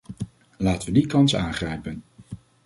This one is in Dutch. Laten we die kans aangrijpen!